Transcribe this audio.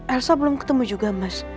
elsa belum ketemu juga mas